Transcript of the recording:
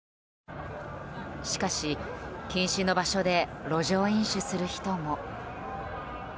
しかし、禁止の場所で路上飲酒する人も。